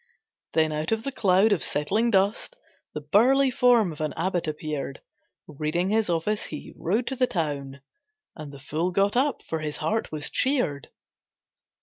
Then out of the cloud of settling dust The burly form of an abbot appeared, Reading his office he rode to the town. And the fool got up, for his heart was cheered.